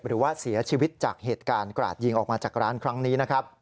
หรือว่าเสียชีวิตจากเหตุการณ์กราดยิงออกมาจากร้านครั้งนี้นะครับ